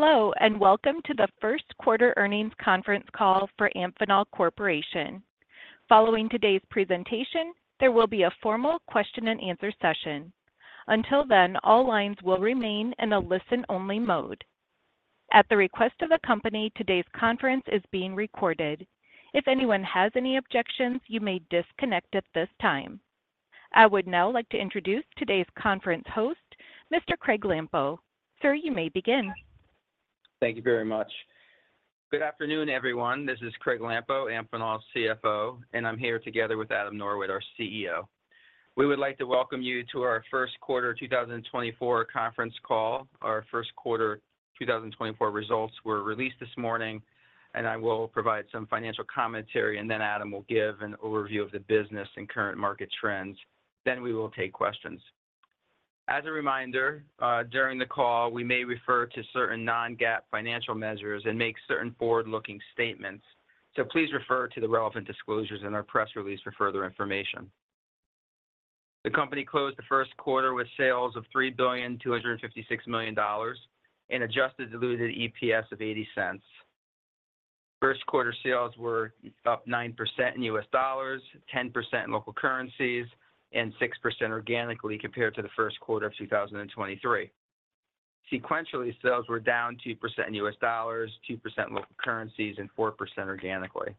Hello and welcome to the first quarter earnings conference call for Amphenol Corporation. Following today's presentation, there will be a formal question-and-answer session. Until then, all lines will remain in a listen-only mode. At the request of the company, today's conference is being recorded. If anyone has any objections, you may disconnect at this time. I would now like to introduce today's conference host, Mr. Craig Lampo. Sir, you may begin. Thank you very much. Good afternoon, everyone. This is Craig Lampo, Amphenol's CFO, and I'm here together with Adam Norwitt, our CEO. We would like to welcome you to our first quarter 2024 conference call. Our first quarter 2024 results were released this morning, and I will provide some financial commentary, and then Adam will give an overview of the business and current market trends. Then we will take questions. As a reminder, during the call, we may refer to certain non-GAAP financial measures and make certain forward-looking statements, so please refer to the relevant disclosures in our press release for further information. The company closed the first quarter with sales of $3,256,000,000 and adjusted diluted EPS of $0.80. First quarter sales were up 9% in U.S. dollars, 10% in local currencies, and 6% organically compared to the first quarter of 2023. Sequentially, sales were down 2% in U.S. dollars, 2% in local currencies, and 4% organically.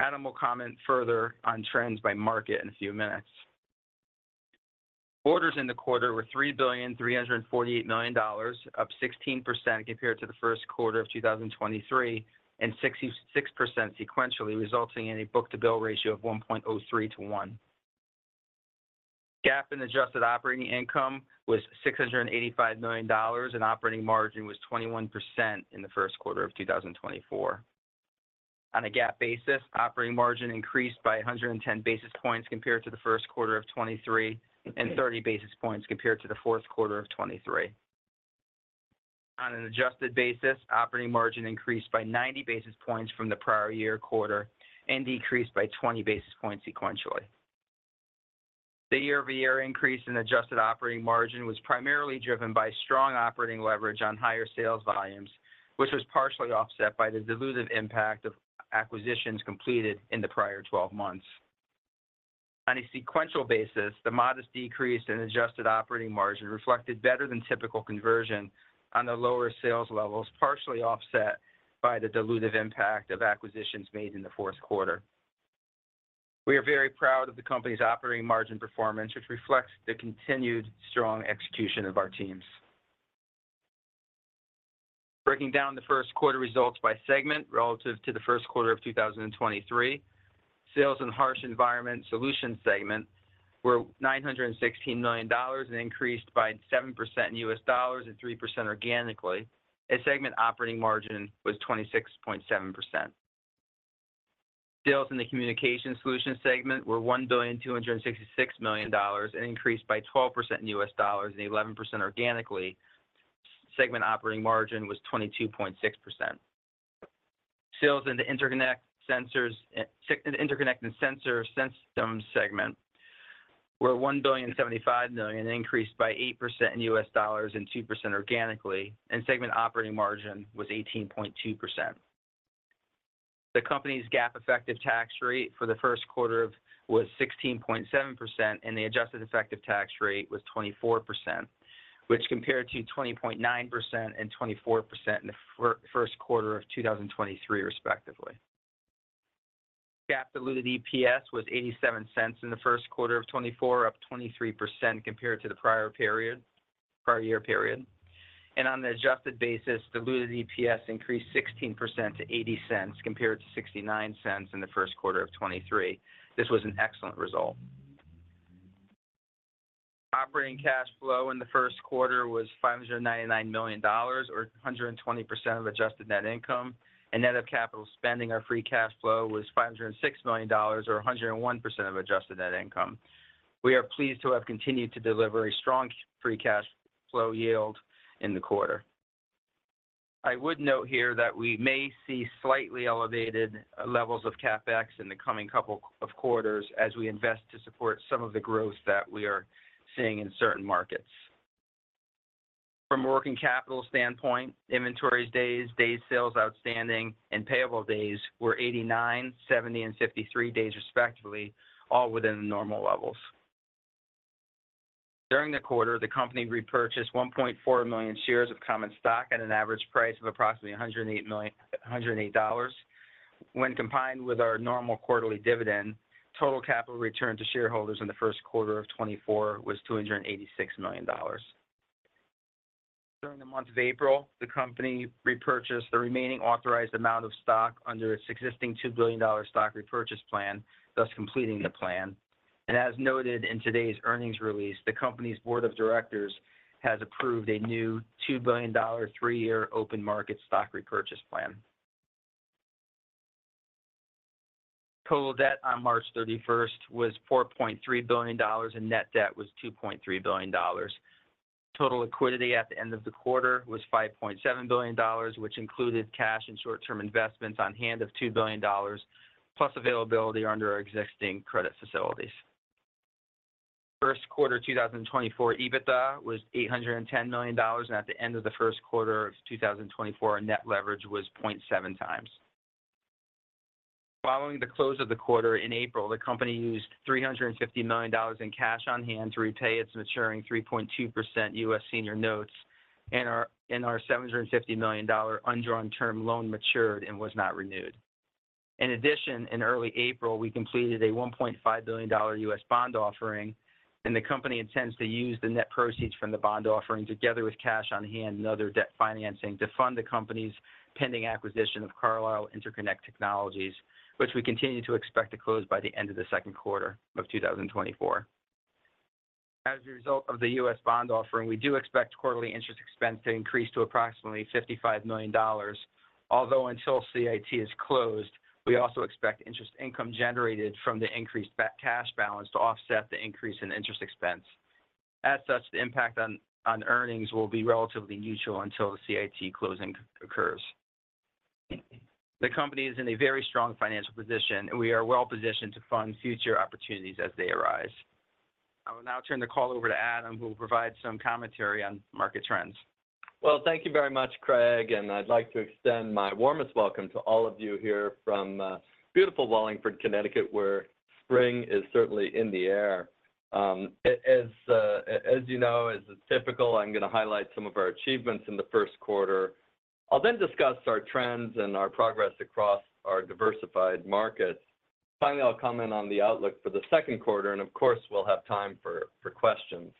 Adam will comment further on trends by market in a few minutes. Orders in the quarter were $3,348,000,000, up 16% compared to the first quarter of 2023 and 66% sequentially, resulting in a Book-to-Bill Ratio of 1.03 to 1. GAAP and adjusted operating income was $685,000,000, and operating margin was 21% in the first quarter of 2024. On a GAAP basis, operating margin increased by 110 basis points compared to the first quarter of 2023 and 30 basis points compared to the fourth quarter of 2023. On an adjusted basis, operating margin increased by 90 basis points from the prior year quarter and decreased by 20 basis points sequentially. The year-over-year increase in adjusted operating margin was primarily driven by strong operating leverage on higher sales volumes, which was partially offset by the dilutive impact of acquisitions completed in the prior 12 months. On a sequential basis, the modest decrease in adjusted operating margin reflected better than typical conversion on the lower sales levels, partially offset by the dilutive impact of acquisitions made in the fourth quarter. We are very proud of the company's operating margin performance, which reflects the continued strong execution of our teams. Breaking down the first quarter results by segment relative to the first quarter of 2023, sales in Harsh Environment Solutions segment were $916 million and increased by 7% in U.S. dollars and 3% organically. The segment operating margin was 26.7%. Sales in the Communications Solutions segment were $1,266 million and increased by 12% in U.S. dollars and 11% organically. The segment operating margin was 22.6%. Sales in the Interconnect and Sensor Systems segment were $1.075 billion and increased by 8% in U.S. dollars and 2% organically, and segment operating margin was 18.2%. The company's GAAP effective tax rate for the first quarter was 16.7%, and the adjusted effective tax rate was 24%, which compared to 20.9% and 24% in the first quarter of 2023, respectively. GAAP diluted EPS was $0.87 in the first quarter of 2024, up 23% compared to the prior year period. On an adjusted basis, diluted EPS increased 16% to $0.80 compared to $0.69 in the first quarter of 2023. This was an excellent result. Operating cash flow in the first quarter was $599 million, or 120% of adjusted net income, and net of capital spending, our free cash flow was $506 million, or 101% of adjusted net income. We are pleased to have continued to deliver a strong free cash flow yield in the quarter. I would note here that we may see slightly elevated levels of CapEx in the coming couple of quarters as we invest to support some of the growth that we are seeing in certain markets. From a working capital standpoint, inventory days, days sales outstanding, and payable days were 89, 70, and 53 days, respectively, all within the normal levels. During the quarter, the company repurchased 1.4 million shares of common stock at an average price of approximately $108. When combined with our normal quarterly dividend, total capital return to shareholders in the first quarter of 2024 was $286 million. During the month of April, the company repurchased the remaining authorized amount of stock under its existing $2 billion stock repurchase plan, thus completing the plan. As noted in today's earnings release, the company's board of directors has approved a new $2 billion three-year open market stock repurchase plan. Total debt on March 31st was $4.3 billion, and net debt was $2.3 billion. Total liquidity at the end of the quarter was $5.7 billion, which included cash and short-term investments on hand of $2 billion, plus availability under our existing credit facilities. First quarter 2024 EBITDA was $810 million, and at the end of the first quarter of 2024, our net leverage was 0.7x. Following the close of the quarter in April, the company used $350 million in cash on hand to repay its maturing 3.2% U.S. senior notes, and our $750 million undrawn term loan matured and was not renewed. In addition, in early April, we completed a $1.5 billion U.S. bond offering, and the company intends to use the net proceeds from the bond offering together with cash on hand and other debt financing to fund the company's pending acquisition of Carlisle Interconnect Technologies, which we continue to expect to close by the end of the second quarter of 2024. As a result of the U.S. bond offering, we do expect quarterly interest expense to increase to approximately $55 million, although until CIT is closed, we also expect interest income generated from the increased cash balance to offset the increase in interest expense. As such, the impact on earnings will be relatively neutral until the CIT closing occurs. The company is in a very strong financial position, and we are well positioned to fund future opportunities as they arise. I will now turn the call over to Adam, who will provide some commentary on market trends. Well, thank you very much, Craig, and I'd like to extend my warmest welcome to all of you here from beautiful Wallingford, Connecticut, where spring is certainly in the air. As you know, as is typical, I'm going to highlight some of our achievements in the first quarter. I'll then discuss our trends and our progress across our diversified markets. Finally, I'll comment on the outlook for the second quarter, and of course, we'll have time for questions.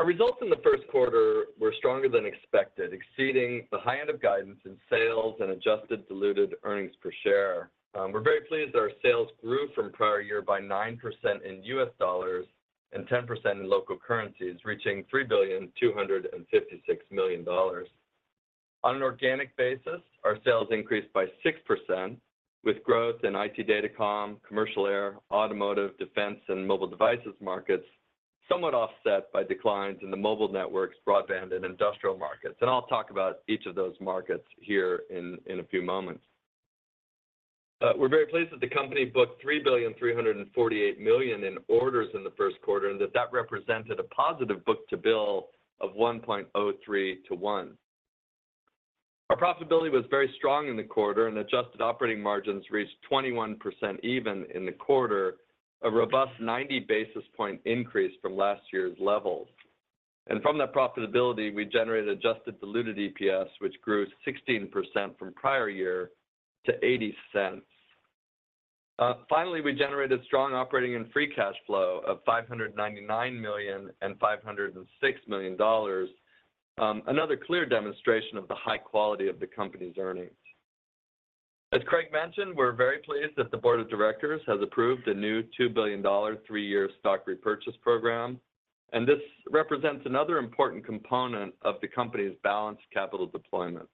Our results in the first quarter were stronger than expected, exceeding the high end of guidance in sales and adjusted diluted earnings per share. We're very pleased that our sales grew from prior year by 9% in U.S. dollars and 10% in local currencies, reaching $3,256,000,000. On an organic basis, our sales increased by 6%, with growth in IT Datacom, commercial air, automotive, defense, and mobile devices markets somewhat offset by declines in the mobile networks, broadband, and industrial markets. I'll talk about each of those markets here in a few moments. We're very pleased that the company booked $3.348 billion in orders in the first quarter and that that represented a positive book-to-bill of 1.03 to 1. Our profitability was very strong in the quarter, and adjusted operating margins reached 21% even in the quarter, a robust 90 basis point increase from last year's levels. From that profitability, we generated adjusted diluted EPS, which grew 16% from prior year to $0.80. Finally, we generated strong operating and free cash flow of $599.5 million, another clear demonstration of the high quality of the company's earnings. As Craig mentioned, we're very pleased that the board of directors has approved a new $2 billion three-year stock repurchase program, and this represents another important component of the company's balanced capital deployment.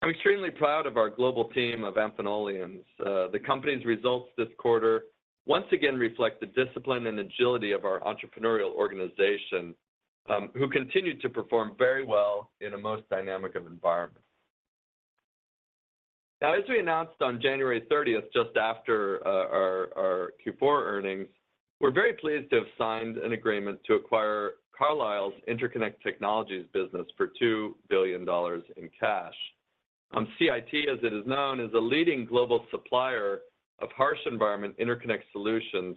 I'm extremely proud of our global team of Amphenolians. The company's results this quarter once again reflect the discipline and agility of our entrepreneurial organization, who continue to perform very well in a most dynamic of environments. Now, as we announced on January 30th, just after our Q4 earnings, we're very pleased to have signed an agreement to acquire Carlisle's Interconnect Technologies business for $2 billion in cash. CIT, as it is known, is a leading global supplier of harsh environment interconnect solutions,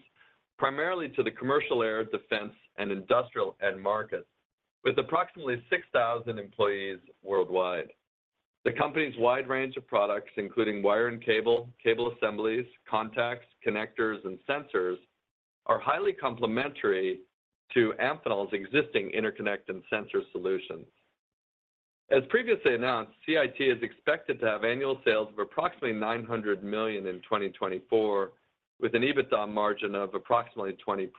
primarily to the commercial air, defense, and industrial end markets, with approximately 6,000 employees worldwide. The company's wide range of products, including wire and cable, cable assemblies, contacts, connectors, and sensors, are highly complementary to Amphenol's existing interconnect and sensor solutions. As previously announced, CIT is expected to have annual sales of approximately $900 million in 2024, with an EBITDA margin of approximately 20%.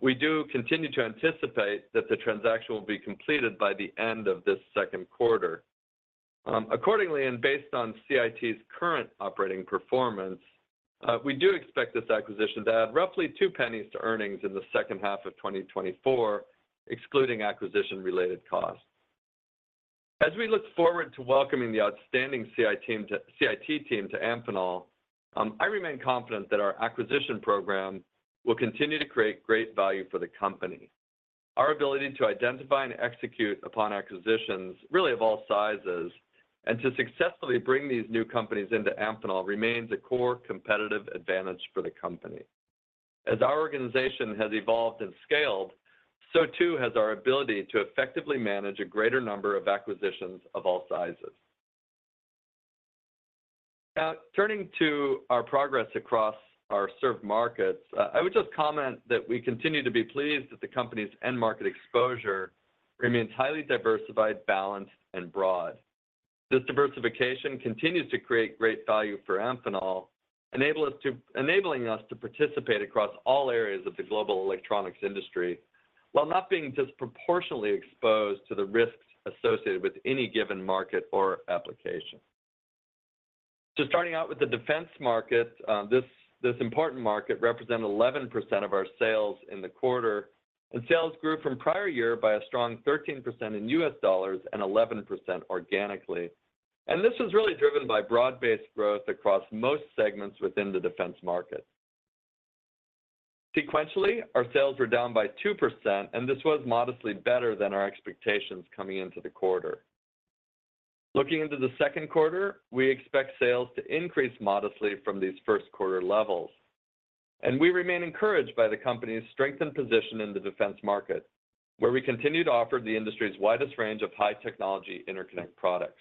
We do continue to anticipate that the transaction will be completed by the end of this second quarter. Accordingly, and based on CIT's current operating performance, we do expect this acquisition to add roughly $0.02 to earnings in the second half of 2024, excluding acquisition-related costs. As we look forward to welcoming the outstanding CIT team to Amphenol, I remain confident that our acquisition program will continue to create great value for the company. Our ability to identify and execute upon acquisitions really of all sizes and to successfully bring these new companies into Amphenol remains a core competitive advantage for the company. As our organization has evolved and scaled, so too has our ability to effectively manage a greater number of acquisitions of all sizes. Now, turning to our progress across our served markets, I would just comment that we continue to be pleased that the company's end market exposure remains highly diversified, balanced, and broad. This diversification continues to create great value for Amphenol, enabling us to participate across all areas of the global electronics industry while not being disproportionately exposed to the risks associated with any given market or application. Starting out with the defense market, this important market represented 11% of our sales in the quarter, and sales grew from prior year by a strong 13% in U.S. dollars and 11% organically. This was really driven by broad-based growth across most segments within the defense market. Sequentially, our sales were down by 2%, and this was modestly better than our expectations coming into the quarter. Looking into the second quarter, we expect sales to increase modestly from these first quarter levels. We remain encouraged by the company's strengthened position in the defense market, where we continue to offer the industry's widest range of high-technology interconnect products.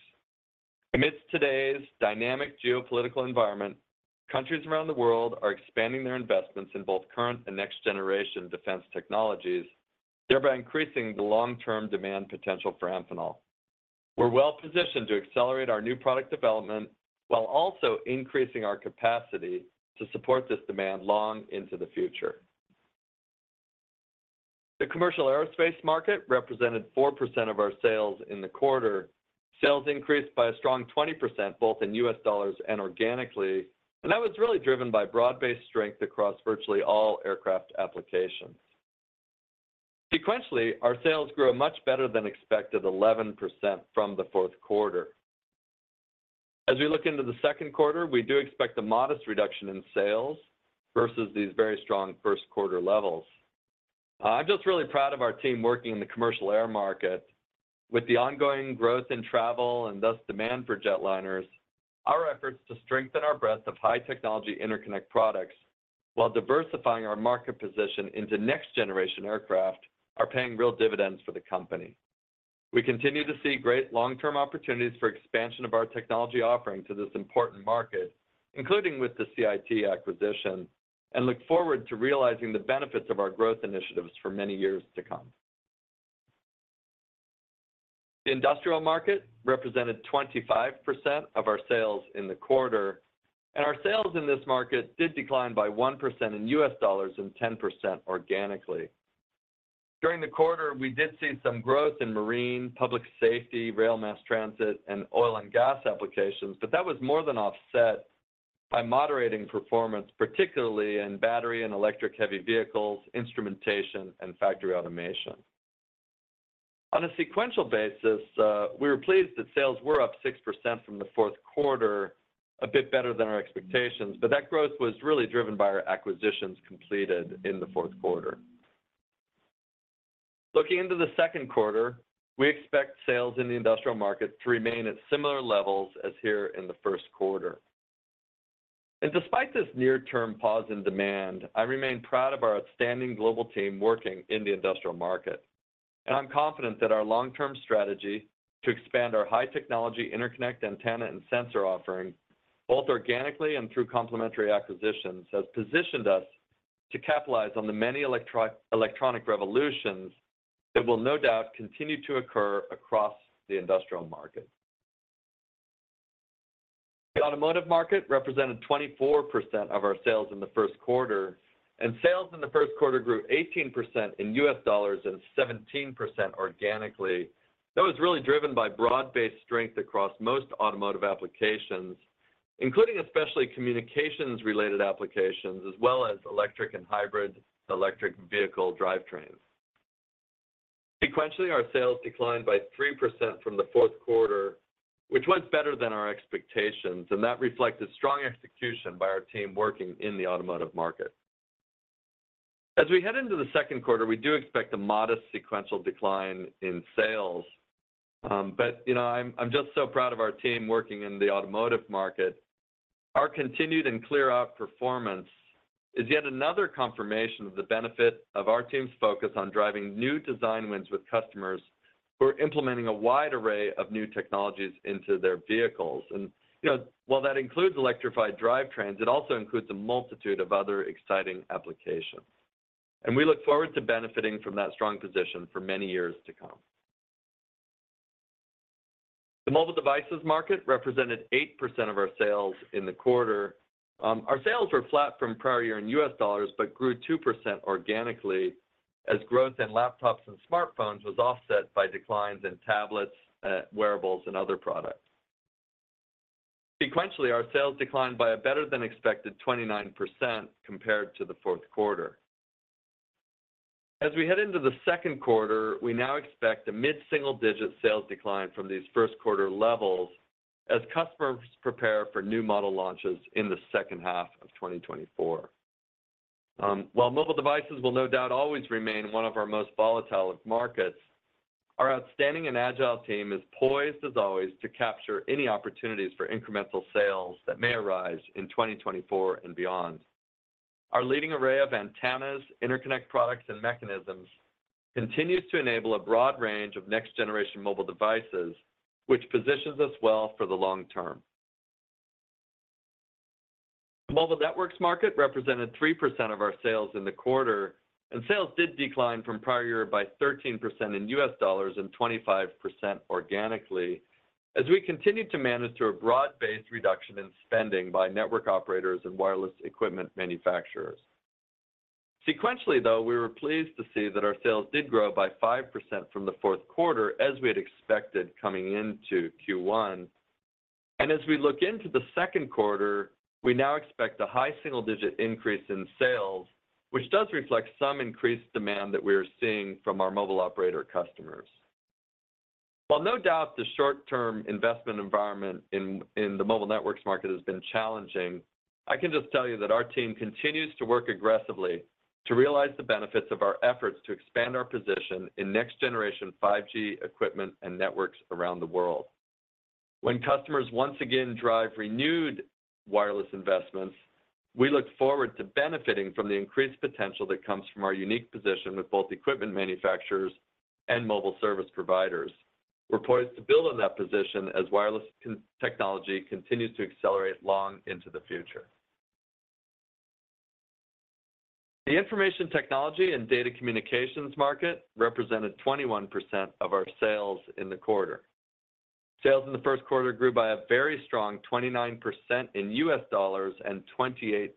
Amidst today's dynamic geopolitical environment, countries around the world are expanding their investments in both current and next-generation defense technologies, thereby increasing the long-term demand potential for Amphenol. We're well positioned to accelerate our new product development while also increasing our capacity to support this demand long into the future. The commercial aerospace market represented 4% of our sales in the quarter, sales increased by a strong 20% both in U.S. dollars and organically, and that was really driven by broad-based strength across virtually all aircraft applications. Sequentially, our sales grew a much better than expected 11% from the fourth quarter. As we look into the second quarter, we do expect a modest reduction in sales versus these very strong first quarter levels. I'm just really proud of our team working in the commercial air market. With the ongoing growth in travel and thus demand for jetliners, our efforts to strengthen our breadth of high-technology interconnect products while diversifying our market position into next-generation aircraft are paying real dividends for the company. We continue to see great long-term opportunities for expansion of our technology offering to this important market, including with the CIT acquisition, and look forward to realizing the benefits of our growth initiatives for many years to come. The industrial market represented 25% of our sales in the quarter, and our sales in this market did decline by 1% in U.S. dollars and 10% organically. During the quarter, we did see some growth in marine, public safety, rail mass transit, and oil and gas applications, but that was more than offset by moderating performance, particularly in battery and electric heavy vehicles, instrumentation, and factory automation. On a sequential basis, we were pleased that sales were up 6% from the fourth quarter, a bit better than our expectations, but that growth was really driven by our acquisitions completed in the fourth quarter. Looking into the second quarter, we expect sales in the industrial market to remain at similar levels as here in the first quarter. Despite this near-term pause in demand, I remain proud of our outstanding global team working in the industrial market. I'm confident that our long-term strategy to expand our high-technology interconnect antenna and sensor offering, both organically and through complementary acquisitions, has positioned us to capitalize on the many electronic revolutions that will no doubt continue to occur across the industrial market. The automotive market represented 24% of our sales in the first quarter, and sales in the first quarter grew 18% in U.S. dollars and 17% organically. That was really driven by broad-based strength across most automotive applications, including especially communications-related applications, as well as electric and hybrid electric vehicle drivetrains. Sequentially, our sales declined by 3% from the fourth quarter, which was better than our expectations, and that reflected strong execution by our team working in the automotive market. As we head into the second quarter, we do expect a modest sequential decline in sales. But I'm just so proud of our team working in the automotive market. Our continued and clear-cut performance is yet another confirmation of the benefit of our team's focus on driving new design wins with customers who are implementing a wide array of new technologies into their vehicles. And while that includes electrified drivetrains, it also includes a multitude of other exciting applications. And we look forward to benefiting from that strong position for many years to come. The mobile devices market represented 8% of our sales in the quarter. Our sales were flat from prior year in U.S. dollars but grew 2% organically as growth in laptops and smartphones was offset by declines in tablets, wearables, and other products. Sequentially, our sales declined by a better than expected 29% compared to the fourth quarter. As we head into the second quarter, we now expect a mid-single-digit sales decline from these first quarter levels as customers prepare for new model launches in the second half of 2024. While mobile devices will no doubt always remain one of our most volatile of markets, our outstanding and agile team is poised, as always, to capture any opportunities for incremental sales that may arise in 2024 and beyond. Our leading array of antennas, interconnect products, and mechanisms continues to enable a broad range of next-generation mobile devices, which positions us well for the long term. The mobile networks market represented 3% of our sales in the quarter, and sales did decline from prior year by 13% in U.S. dollars and 25% organically as we continue to manage through a broad-based reduction in spending by network operators and wireless equipment manufacturers. Sequentially, though, we were pleased to see that our sales did grow by 5% from the fourth quarter as we had expected coming into Q1. As we look into the second quarter, we now expect a high single-digit increase in sales, which does reflect some increased demand that we are seeing from our mobile operator customers. While no doubt the short-term investment environment in the mobile networks market has been challenging, I can just tell you that our team continues to work aggressively to realize the benefits of our efforts to expand our position in next-generation 5G equipment and networks around the world. When customers once again drive renewed wireless investments, we look forward to benefiting from the increased potential that comes from our unique position with both equipment manufacturers and mobile service providers. We're poised to build on that position as wireless technology continues to accelerate long into the future. The information technology and data communications market represented 21% of our sales in the quarter. Sales in the first quarter grew by a very strong 29% in U.S. dollars and 28%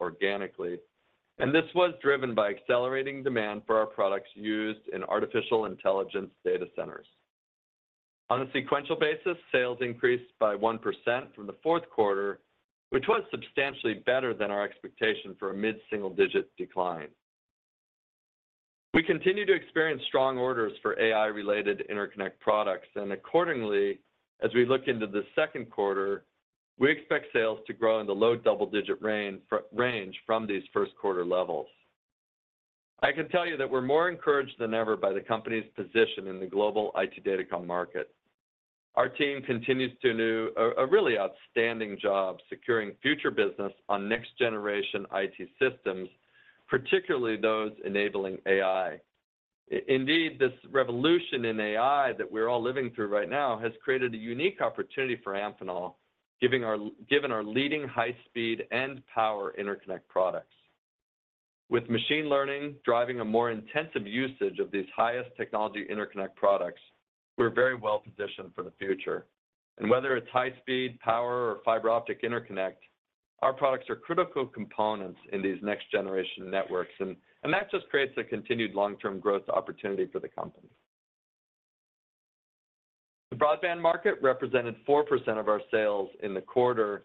organically. This was driven by accelerating demand for our products used in artificial intelligence data centers. On a sequential basis, sales increased by 1% from the fourth quarter, which was substantially better than our expectation for a mid-single-digit decline. We continue to experience strong orders for AI-related interconnect products. Accordingly, as we look into the second quarter, we expect sales to grow in the low double-digit range from these first quarter levels. I can tell you that we're more encouraged than ever by the company's position in the global IT Datacom market. Our team continues to do a really outstanding job securing future business on next-generation IT systems, particularly those enabling AI. Indeed, this revolution in AI that we're all living through right now has created a unique opportunity for Amphenol, given our leading high-speed and power interconnect products. With machine learning driving a more intensive usage of these highest technology interconnect products, we're very well positioned for the future. Whether it's high-speed, power, or fiber optic interconnect, our products are critical components in these next-generation networks. That just creates a continued long-term growth opportunity for the company. The broadband market represented 4% of our sales in the quarter.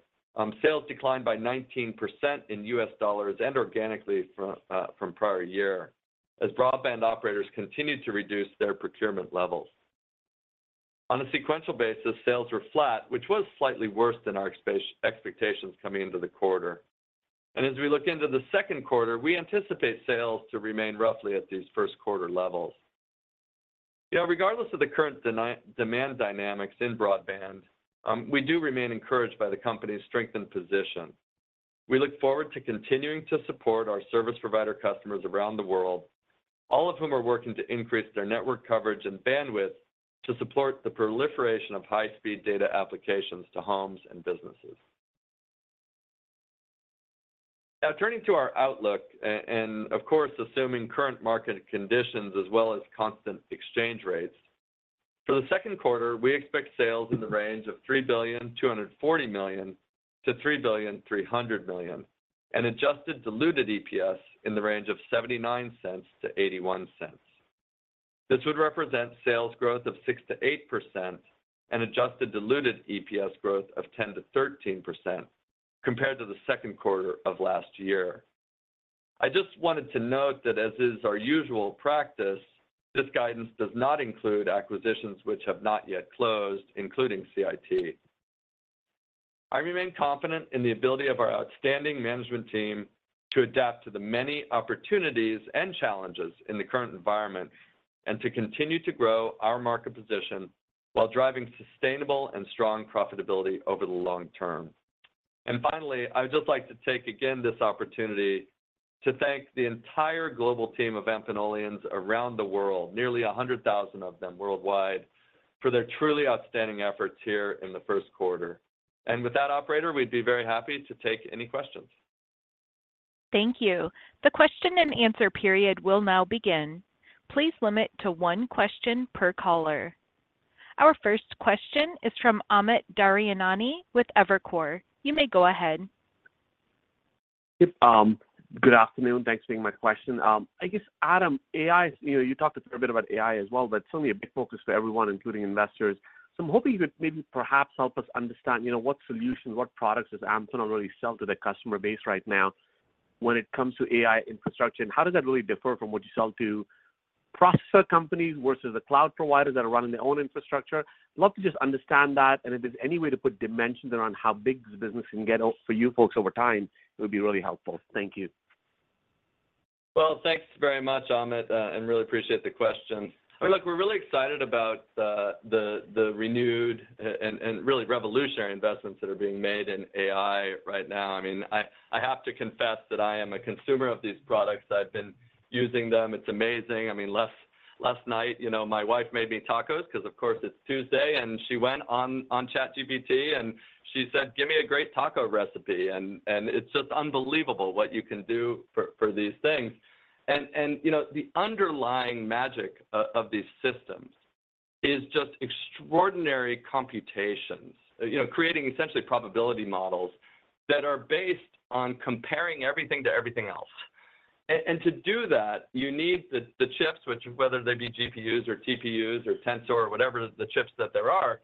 Sales declined by 19% in U.S. dollars and organically from prior year as broadband operators continued to reduce their procurement levels. On a sequential basis, sales were flat, which was slightly worse than our expectations coming into the quarter. As we look into the second quarter, we anticipate sales to remain roughly at these first quarter levels. Regardless of the current demand dynamics in broadband, we do remain encouraged by the company's strengthened position. We look forward to continuing to support our service provider customers around the world, all of whom are working to increase their network coverage and bandwidth to support the proliferation of high-speed data applications to homes and businesses. Now, turning to our outlook and, of course, assuming current market conditions as well as constant exchange rates, for the second quarter, we expect sales in the range of $3,240 million-$3,300 million, and adjusted diluted EPS in the range of $0.79-$0.81. This would represent sales growth of 6%-8% and adjusted diluted EPS growth of 10%-13% compared to the second quarter of last year. I just wanted to note that, as is our usual practice, this guidance does not include acquisitions which have not yet closed, including CIT. I remain confident in the ability of our outstanding management team to adapt to the many opportunities and challenges in the current environment and to continue to grow our market position while driving sustainable and strong profitability over the long term. And finally, I would just like to take again this opportunity to thank the entire global team of Amphenolians around the world, nearly 100,000 of them worldwide, for their truly outstanding efforts here in the first quarter. And with that, operator, we'd be very happy to take any questions. Thank you. The question-and-answer period will now begin. Please limit to one question per caller. Our first question is from Amit Daryanani with Evercore. You may go ahead. Good afternoon. Thanks for taking my question. I guess, Adam, you talked a little bit about AI as well, but it's certainly a big focus for everyone, including investors. So I'm hoping you could maybe perhaps help us understand what solutions, what products does Amphenol really sell to their customer base right now when it comes to AI infrastructure? How does that really differ from what you sell to processor companies versus the cloud providers that are running their own infrastructure? I'd love to just understand that. If there's any way to put dimensions around how big this business can get for you folks over time, it would be really helpful. Thank you. Well, thanks very much, Amit. And really appreciate the question. Look, we're really excited about the renewed and really revolutionary investments that are being made in AI right now. I mean, I have to confess that I am a consumer of these products. I've been using them. It's amazing. I mean, last night, my wife made me tacos because, of course, it's Tuesday. And she went on ChatGPT, and she said, "Give me a great taco recipe." And it's just unbelievable what you can do for these things. And the underlying magic of these systems is just extraordinary computations, creating essentially probability models that are based on comparing everything to everything else. And to do that, you need the chips, which whether they be GPUs or TPUs or Tensor or whatever the chips that there are,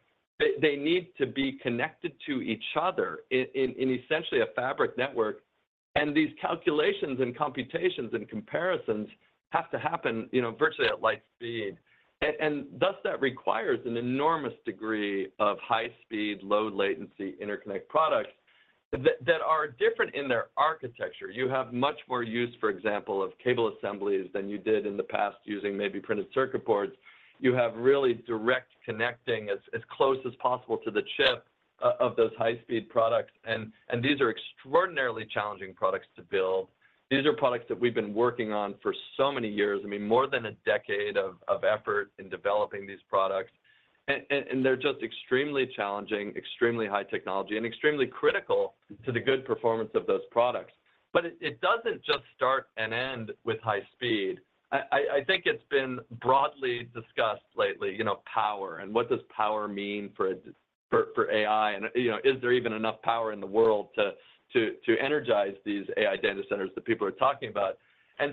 they need to be connected to each other in essentially a fabric network. And these calculations and computations and comparisons have to happen virtually at light speed. And thus, that requires an enormous degree of high-speed, low-latency interconnect products that are different in their architecture. You have much more use, for example, of cable assemblies than you did in the past using maybe printed circuit boards. You have really direct connecting as close as possible to the chip of those high-speed products. And these are extraordinarily challenging products to build. These are products that we've been working on for so many years, I mean, more than a decade of effort in developing these products. They're just extremely challenging, extremely high technology, and extremely critical to the good performance of those products. It doesn't just start and end with high speed. I think it's been broadly discussed lately, power. What does power mean for AI? Is there even enough power in the world to energize these AI data centers that people are talking about?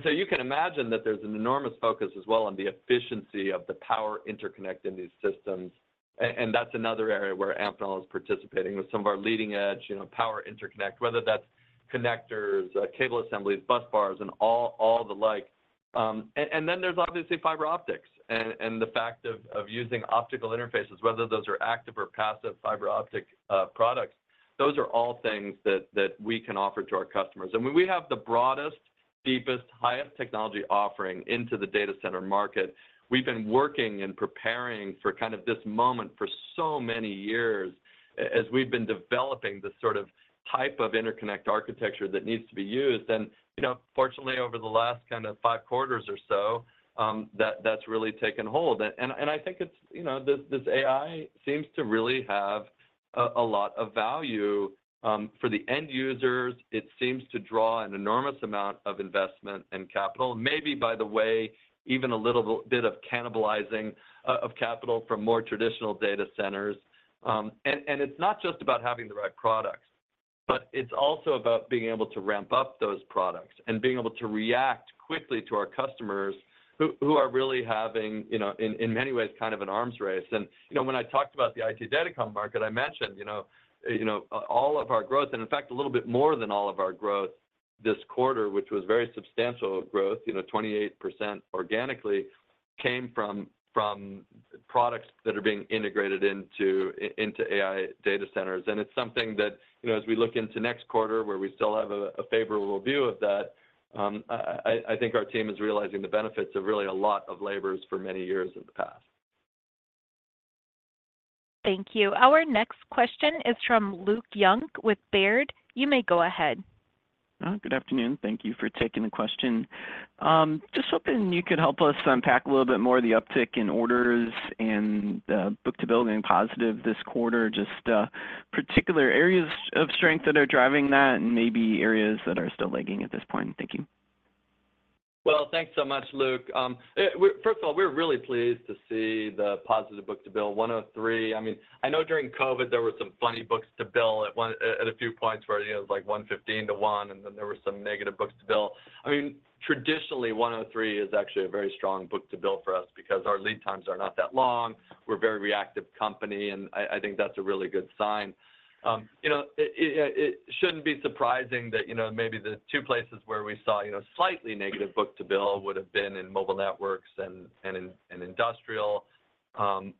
You can imagine that there's an enormous focus as well on the efficiency of the power interconnect in these systems. That's another area where Amphenol is participating with some of our leading-edge power interconnect, whether that's connectors, cable assemblies, bus bars, and all the like. Then there's obviously fiber optics and the fact of using optical interfaces, whether those are active or passive fiber optic products. Those are all things that we can offer to our customers. I mean, we have the broadest, deepest, highest technology offering into the data center market. We've been working and preparing for kind of this moment for so many years as we've been developing this sort of type of interconnect architecture that needs to be used. And fortunately, over the last kind of 5 quarters or so, that's really taken hold. And I think this AI seems to really have a lot of value for the end users. It seems to draw an enormous amount of investment and capital, maybe by the way, even a little bit of cannibalizing of capital from more traditional data centers. It's not just about having the right products, but it's also about being able to ramp up those products and being able to react quickly to our customers who are really having, in many ways, kind of an arms race. When I talked about the IT Datacom market, I mentioned all of our growth. In fact, a little bit more than all of our growth this quarter, which was very substantial growth, 28% organically, came from products that are being integrated into AI data centers. It's something that, as we look into next quarter, where we still have a favorable view of that, I think our team is realizing the benefits of really a lot of labors for many years in the past. Thank you. Our next question is from Luke Junk with Baird. You may go ahead. Good afternoon. Thank you for taking the question. Just hoping you could help us unpack a little bit more of the uptick in orders and the book-to-bill going positive this quarter, just particular areas of strength that are driving that and maybe areas that are still lagging at this point. Thank you. Well, thanks so much, Luke. First of all, we're really pleased to see the positive book-to-bill. 1.03. I mean, I know during COVID, there were some funny book-to-bills at a few points where it was like 1.15 to 1, and then there were some negative book-to-bills. I mean, traditionally, 1.03 is actually a very strong book-to-bill for us because our lead times are not that long. We're a very reactive company. And I think that's a really good sign. It shouldn't be surprising that maybe the two places where we saw slightly negative book-to-bill would have been in mobile networks and in industrial.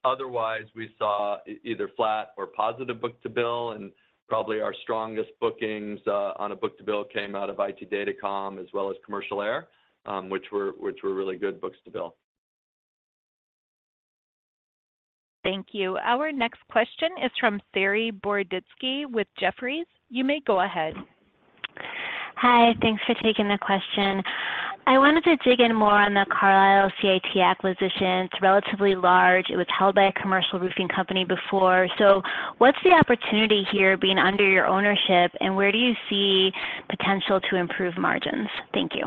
Otherwise, we saw either flat or positive book-to-bill. And probably our strongest bookings on a book-to-bill came out of IT Datacom as well as Commercial Air, which were really good book-to-bill. Thank you. Our next question is from Saree Boroditsky with Jefferies. You may go ahead. Hi. Thanks for taking the question. I wanted to dig in more on the Carlisle CIT acquisition. It's relatively large. It was held by a commercial roofing company before. So what's the opportunity here being under your ownership? And where do you see potential to improve margins? Thank you.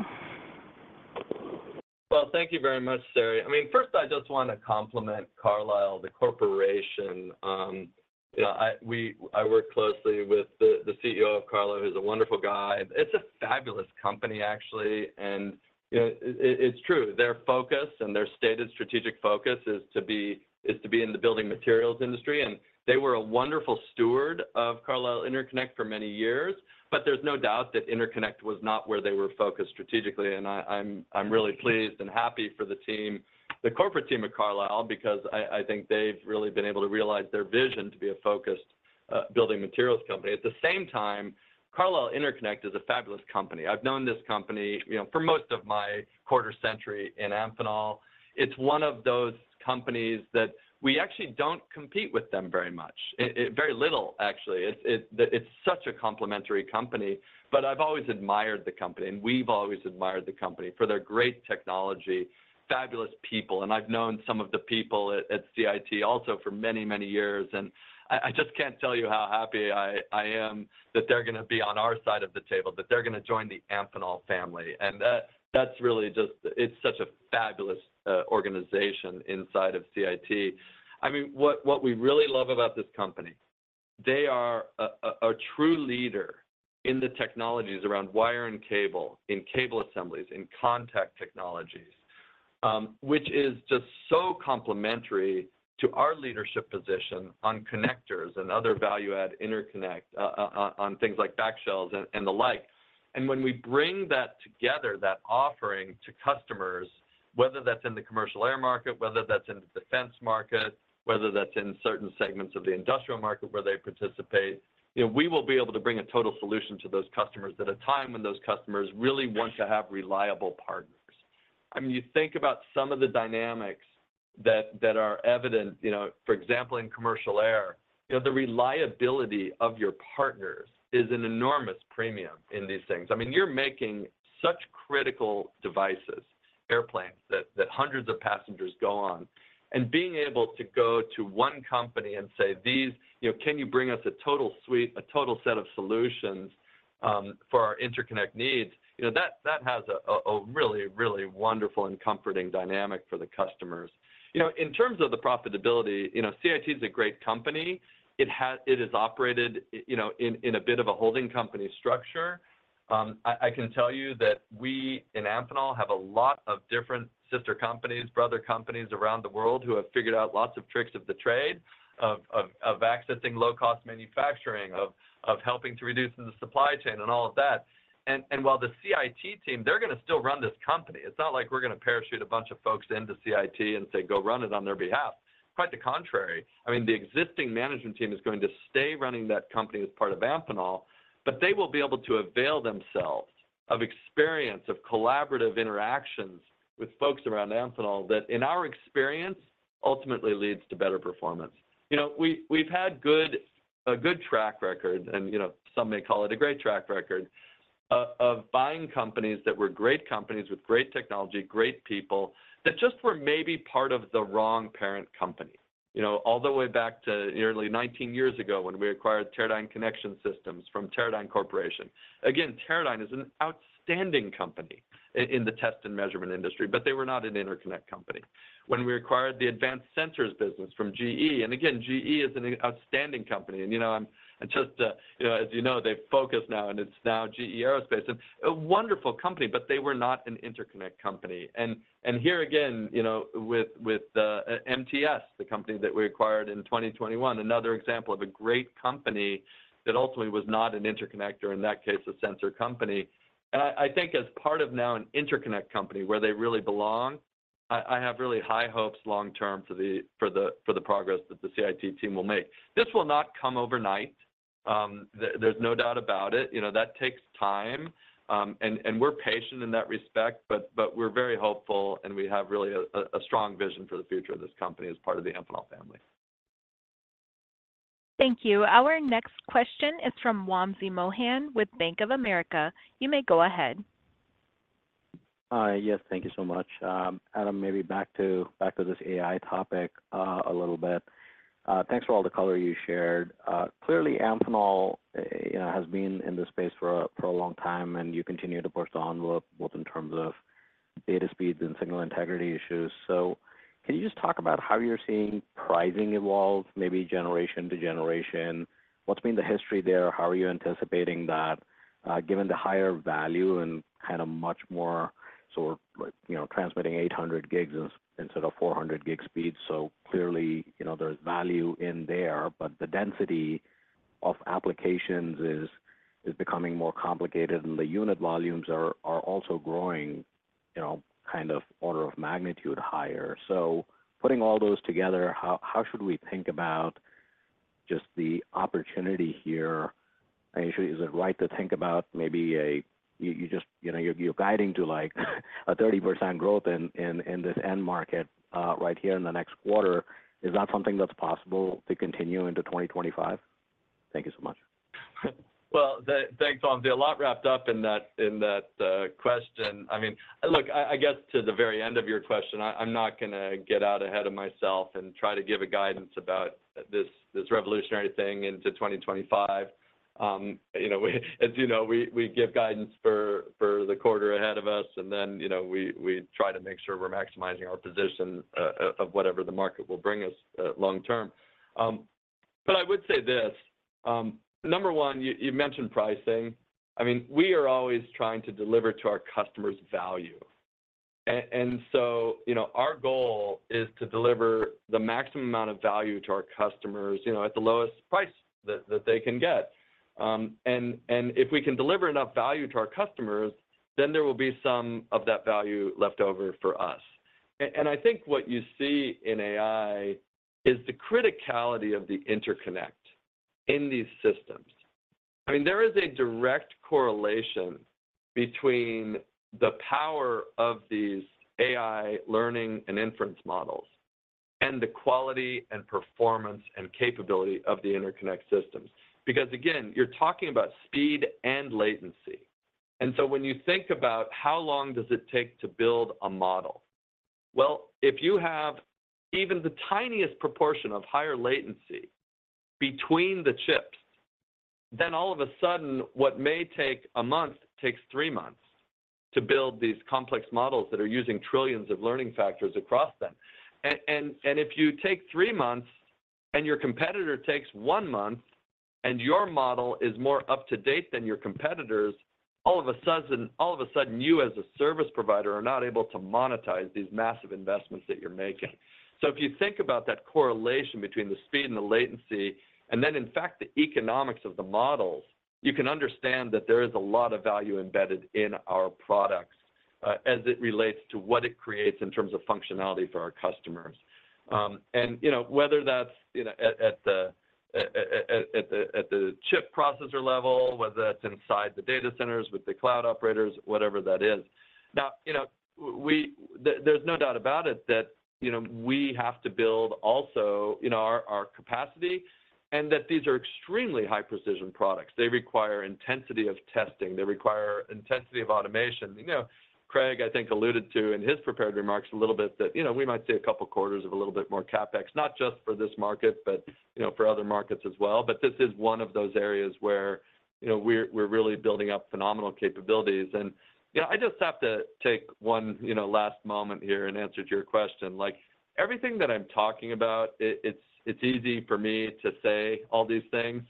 Well, thank you very much, Saree. I mean, first, I just want to compliment Carlisle, the corporation. I work closely with the CEO of Carlisle. He's a wonderful guy. It's a fabulous company, actually. It's true. Their focus and their stated strategic focus is to be in the building materials industry. They were a wonderful steward of Carlisle Interconnect for many years. There's no doubt that Interconnect was not where they were focused strategically. I'm really pleased and happy for the corporate team at Carlisle because I think they've really been able to realize their vision to be a focused building materials company. At the same time, Carlisle Interconnect is a fabulous company. I've known this company for most of my quarter century in Amphenol. It's one of those companies that we actually don't compete with them very much, very little, actually. It's such a complementary company. I've always admired the company. We've always admired the company for their great technology, fabulous people. I've known some of the people at CIT also for many, many years. I just can't tell you how happy I am that they're going to be on our side of the table, that they're going to join the Amphenol family. That's really just, it's such a fabulous organization inside of CIT. I mean, what we really love about this company. They are a true leader in the technologies around wire and cable, in cable assemblies, in contact technologies, which is just so complementary to our leadership position on connectors and other value-add interconnect, on things like backshells and the like. When we bring that together, that offering to customers, whether that's in the Commercial Air market, whether that's in the defense market, whether that's in certain segments of the industrial market where they participate, we will be able to bring a total solution to those customers at a time when those customers really want to have reliable partners. I mean, you think about some of the dynamics that are evident, for example, in Commercial Air, the reliability of your partners is an enormous premium in these things. I mean, you're making such critical devices, airplanes, that hundreds of passengers go on. Being able to go to one company and say, "Can you bring us a total suite, a total set of solutions for our interconnect needs?" That has a really, really wonderful and comforting dynamic for the customers. In terms of the profitability, CIT is a great company. It is operated in a bit of a holding company structure. I can tell you that we in Amphenol have a lot of different sister companies, brother companies around the world who have figured out lots of tricks of the trade, of accessing low-cost manufacturing, of helping to reduce in the supply chain, and all of that. While the CIT team, they're going to still run this company. It's not like we're going to parachute a bunch of folks into CIT and say, "Go run it on their behalf." Quite the contrary. I mean, the existing management team is going to stay running that company as part of Amphenol. But they will be able to avail themselves of experience, of collaborative interactions with folks around Amphenol that, in our experience, ultimately leads to better performance. We've had a good track record, and some may call it a great track record, of buying companies that were great companies with great technology, great people that just were maybe part of the wrong parent company, all the way back to nearly 19 years ago when we acquired Teradyne Connection Systems from Teradyne Corporation. Again, Teradyne is an outstanding company in the test and measurement industry, but they were not an interconnect company. When we acquired the advanced sensors business from GE and again, GE is an outstanding company. And just as you know, they've focused now, and it's now GE Aerospace. And a wonderful company, but they were not an interconnect company. And here again with MTS, the company that we acquired in 2021, another example of a great company that ultimately was not an interconnect or, in that case, a sensor company. I think as part of now an interconnect company where they really belong, I have really high hopes long term for the progress that the CIT team will make. This will not come overnight. There's no doubt about it. That takes time. We're patient in that respect. We're very hopeful, and we have really a strong vision for the future of this company as part of the Amphenol family. Thank you. Our next question is from Wamsi Mohan with Bank of America. You may go ahead. Yes. Thank you so much, Adam. Maybe back to this AI topic a little bit. Thanks for all the color you shared. Clearly, Amphenol has been in this space for a long time, and you continue to push on both in terms of data speeds and signal integrity issues. So can you just talk about how you're seeing pricing evolve, maybe generation to generation? What's been the history there? How are you anticipating that, given the higher value and kind of much more so we're transmitting 800 gigs instead of 400 gig speed? So clearly, there's value in there, but the density of applications is becoming more complicated, and the unit volumes are also growing kind of order of magnitude higher. So putting all those together, how should we think about just the opportunity here? And is it right to think about maybe a you're guiding to a 30% growth in this end market right here in the next quarter. Is that something that's possible to continue into 2025? Thank you so much. Well, thanks, Wamsi. A lot wrapped up in that question. I mean, look, I guess to the very end of your question, I'm not going to get out ahead of myself and try to give a guidance about this revolutionary thing into 2025. As you know, we give guidance for the quarter ahead of us, and then we try to make sure we're maximizing our position of whatever the market will bring us long term. But I would say this. Number one, you mentioned pricing. I mean, we are always trying to deliver to our customers value. And so our goal is to deliver the maximum amount of value to our customers at the lowest price that they can get. And if we can deliver enough value to our customers, then there will be some of that value left over for us. And I think what you see in AI is the criticality of the interconnect in these systems. I mean, there is a direct correlation between the power of these AI learning and inference models and the quality and performance and capability of the interconnect systems because, again, you're talking about speed and latency. And so when you think about how long does it take to build a model? Well, if you have even the tiniest proportion of higher latency between the chips, then all of a sudden, what may take a month takes 3 months to build these complex models that are using trillions of learning factors across them. And if you take 3 months and your competitor takes 1 month and your model is more up to date than your competitor's, all of a sudden, you as a service provider are not able to monetize these massive investments that you're making. So if you think about that correlation between the speed and the latency and then, in fact, the economics of the models, you can understand that there is a lot of value embedded in our products as it relates to what it creates in terms of functionality for our customers, whether that's at the chip processor level, whether that's inside the data centers with the cloud operators, whatever that is. Now, there's no doubt about it that we have to build also our capacity and that these are extremely high-precision products. They require intensity of testing. They require intensity of automation. Craig, I think, alluded to in his prepared remarks a little bit that we might see a couple quarters of a little bit more CapEx, not just for this market but for other markets as well. But this is one of those areas where we're really building up phenomenal capabilities. And I just have to take one last moment here in answer to your question. Everything that I'm talking about, it's easy for me to say all these things.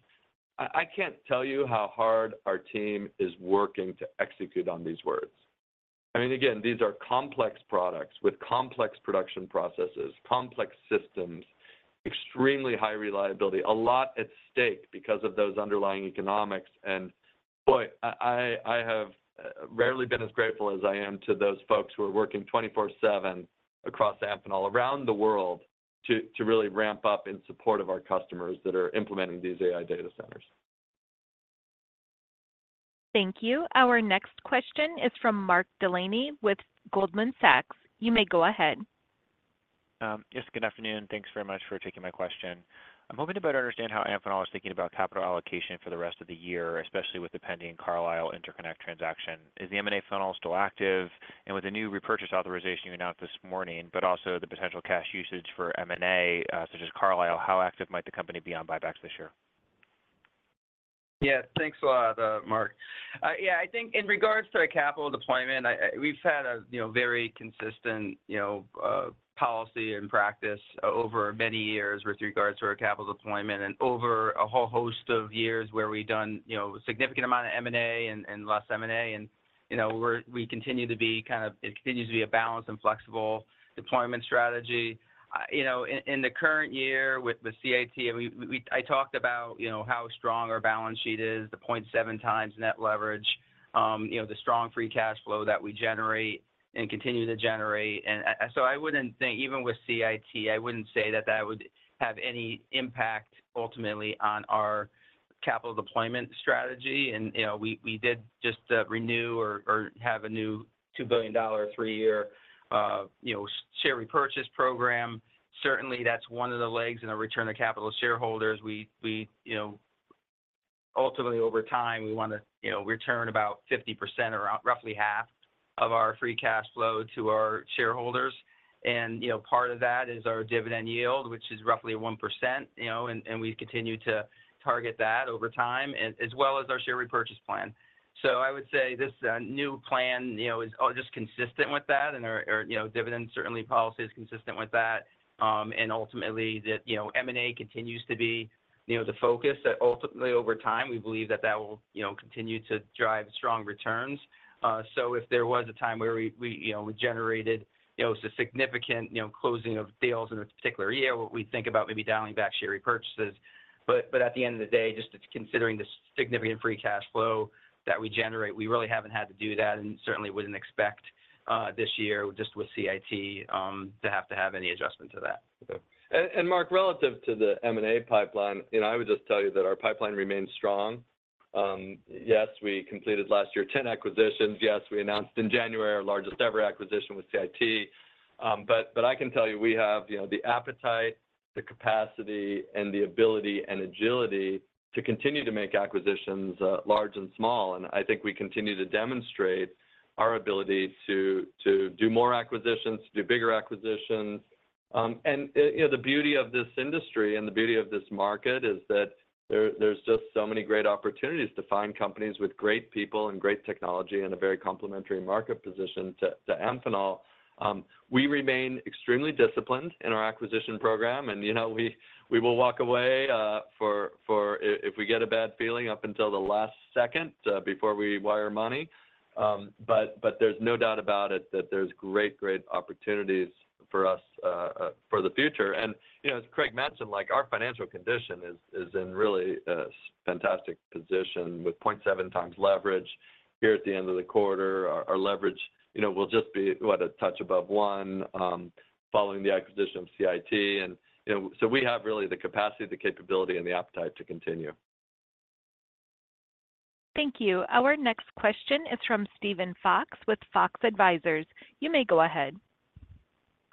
I can't tell you how hard our team is working to execute on these words. I mean, again, these are complex products with complex production processes, complex systems, extremely high reliability, a lot at stake because of those underlying economics. And boy, I have rarely been as grateful as I am to those folks who are working 24/7 across Amphenol, around the world, to really ramp up in support of our customers that are implementing these AI data centers. Thank you. Our next question is from Mark Delaney with Goldman Sachs. You may go ahead. Yes. Good afternoon. Thanks very much for taking my question. I'm hoping to better understand how Amphenol is thinking about capital allocation for the rest of the year, especially with the pending Carlisle Interconnect transaction. Is the M&A funnel still active? And with the new repurchase authorization you announced this morning but also the potential cash usage for M&A such as Carlisle, how active might the company be on buybacks this year? Yeah. Thanks a lot, Mark. Yeah. I think in regards to our capital deployment, we've had a very consistent policy and practice over many years with regards to our capital deployment and over a whole host of years where we've done a significant amount of M&A and less M&A. And we continue to be kind of it continues to be a balanced and flexible deployment strategy. In the current year with CIT, I talked about how strong our balance sheet is, the 0.7 times net leverage, the strong free cash flow that we generate and continue to generate. So I wouldn't think even with CIT, I wouldn't say that that would have any impact ultimately on our capital deployment strategy. We did just renew or have a new $2 billion, three-year share repurchase program. Certainly, that's one of the legs in our return to capital shareholders. Ultimately, over time, we want to return about 50% or roughly half of our free cash flow to our shareholders. Part of that is our dividend yield, which is roughly 1%. We continue to target that over time as well as our share repurchase plan. So I would say this new plan is just consistent with that, our dividend policy is consistent with that. Ultimately, that M&A continues to be the focus. Ultimately, over time, we believe that that will continue to drive strong returns. So if there was a time where we generated a significant closing of sales in a particular year, we think about maybe dialing back share repurchases. But at the end of the day, just considering the significant free cash flow that we generate, we really haven't had to do that and certainly wouldn't expect this year just with CIT to have to have any adjustment to that. And Mark, relative to the M&A pipeline, I would just tell you that our pipeline remains strong. Yes, we completed last year 10 acquisitions. Yes, we announced in January our largest ever acquisition with CIT. But I can tell you we have the appetite, the capacity, and the ability and agility to continue to make acquisitions large and small. I think we continue to demonstrate our ability to do more acquisitions, to do bigger acquisitions. The beauty of this industry and the beauty of this market is that there's just so many great opportunities to find companies with great people and great technology in a very complementary market position to Amphenol. We remain extremely disciplined in our acquisition program. We will walk away if we get a bad feeling up until the last second before we wire money. There's no doubt about it that there's great, great opportunities for us for the future. As Craig mentioned, our financial condition is in really a fantastic position with 0.7x leverage here at the end of the quarter. Our leverage will just be, what, a touch above 1 following the acquisition of CIT. And so we have really the capacity, the capability, and the appetite to continue. Thank you. Our next question is from Steven Fox with Fox Advisors. You may go ahead.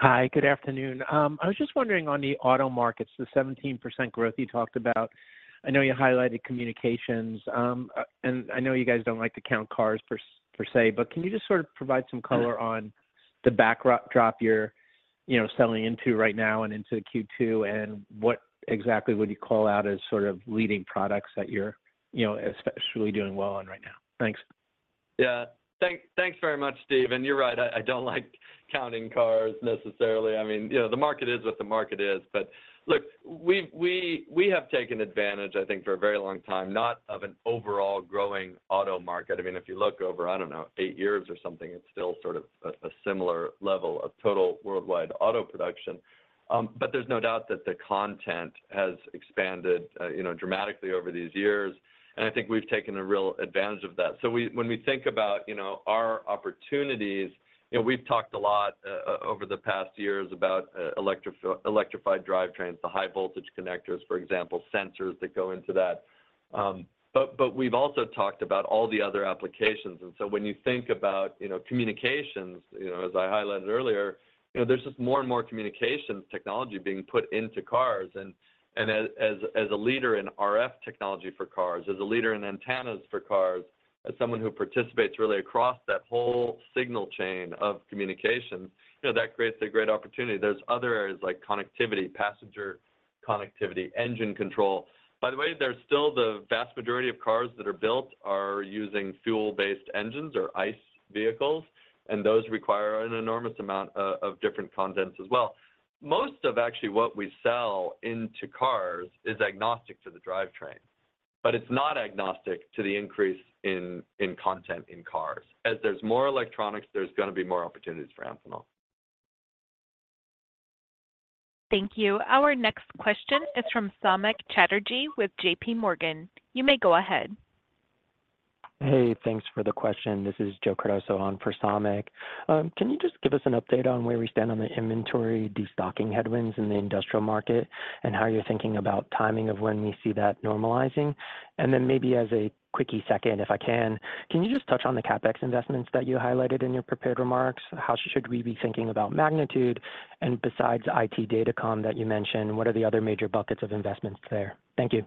Hi. Good afternoon. I was just wondering on the auto markets, the 17% growth you talked about. I know you highlighted communications. And I know you guys don't like to count cars per se, but can you just sort of provide some color on the backdrop you're selling into right now and into Q2? And what exactly would you call out as sort of leading products that you're especially doing well on right now? Thanks. Yeah. Thanks very much, Steve. And you're right. I don't like counting cars necessarily. I mean, the market is what the market is. But look, we have taken advantage, I think, for a very long time, not of an overall growing auto market. I mean, if you look over, I don't know, eight years or something, it's still sort of a similar level of total worldwide auto production. But there's no doubt that the content has expanded dramatically over these years. And I think we've taken a real advantage of that. So when we think about our opportunities, we've talked a lot over the past years about electrified drivetrains, the high-voltage connectors, for example, sensors that go into that. But we've also talked about all the other applications. And so when you think about communications, as I highlighted earlier, there's just more and more communications technology being put into cars. And as a leader in RF technology for cars, as a leader in antennas for cars, as someone who participates really across that whole signal chain of communications, that creates a great opportunity. There's other areas like connectivity, passenger connectivity, engine control. By the way, there's still the vast majority of cars that are built are using fuel-based engines or ICE vehicles. And those require an enormous amount of different contents as well. Most of actually what we sell into cars is agnostic to the drivetrain. But it's not agnostic to the increase in content in cars. As there's more electronics, there's going to be more opportunities for Amphenol. Thank you. Our next question is from Samik Chatterjee with JPMorgan. You may go ahead. Hey. Thanks for the question. This is Joe Cardoso on for Samik. Can you just give us an update on where we stand on the inventory destocking headwinds in the industrial market and how you're thinking about timing of when we see that normalizing? And then maybe as a quickie second, if I can, can you just touch on the CapEx investments that you highlighted in your prepared remarks? How should we be thinking about magnitude? And besides IT Datacom that you mentioned, what are the other major buckets of investments there? Thank you.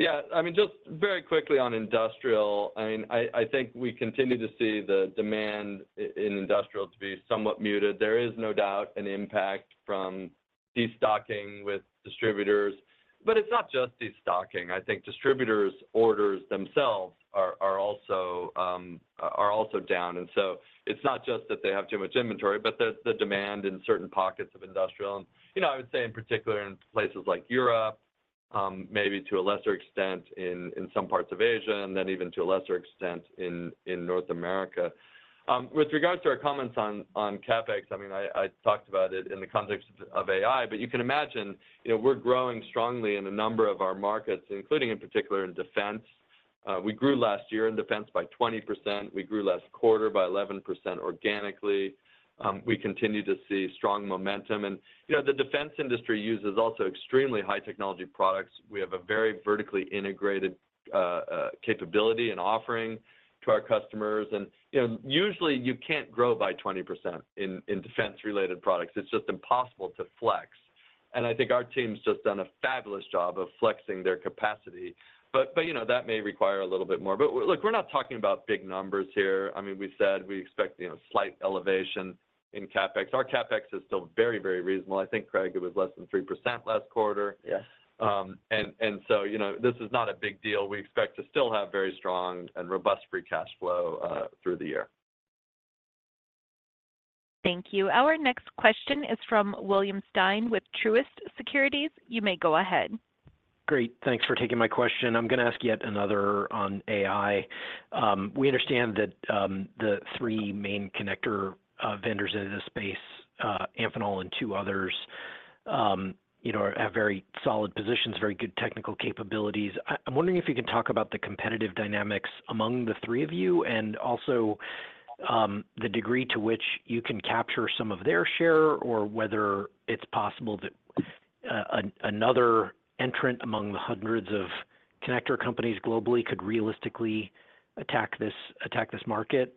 Yeah. I mean, just very quickly on industrial, I mean, I think we continue to see the demand in industrial to be somewhat muted. There is no doubt an impact from destocking with distributors. But it's not just destocking. I think distributors' orders themselves are also down. And so it's not just that they have too much inventory, but the demand in certain pockets of industrial. And I would say in particular in places like Europe, maybe to a lesser extent in some parts of Asia, and then even to a lesser extent in North America. With regards to our comments on CapEx, I mean, I talked about it in the context of AI. But you can imagine we're growing strongly in a number of our markets, including in particular in defense. We grew last year in defense by 20%. We grew last quarter by 11% organically. We continue to see strong momentum. And the defense industry uses also extremely high-technology products. We have a very vertically integrated capability and offering to our customers. And usually, you can't grow by 20% in defense-related products. It's just impossible to flex. And I think our team's just done a fabulous job of flexing their capacity. But that may require a little bit more. But look, we're not talking about big numbers here. I mean, we said we expect slight elevation in CapEx. Our CapEx is still very, very reasonable. I think, Craig, it was less than 3% last quarter. And so this is not a big deal. We expect to still have very strong and robust free cash flow through the year. Thank you. Our next question is from William Stein with Truist Securities. You may go ahead. Great. Thanks for taking my question. I'm going to ask yet another on AI. We understand that the three main connector vendors in this space, Amphenol and two others, have very solid positions, very good technical capabilities. I'm wondering if you can talk about the competitive dynamics among the three of you and also the degree to which you can capture some of their share or whether it's possible that another entrant among the hundreds of connector companies globally could realistically attack this market.